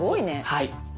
はい。